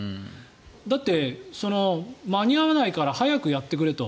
だって間に合わないから早くやってくれと。